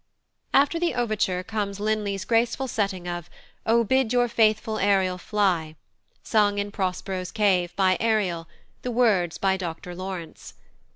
After the overture comes +Linley's+ graceful setting of "O, bid your faithful Ariel fly," sung in Prospero's cave by Ariel (the words by Dr Laurence).